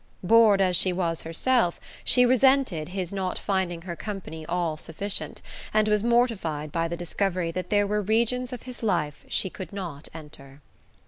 Bored as she was herself, she resented his not finding her company all sufficient, and was mortified by the discovery that there were regions of his life she could not enter.